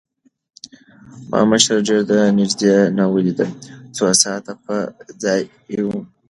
ما مشر ډېر د نزدې نه وليد څو ساعت پۀ ځائې ووم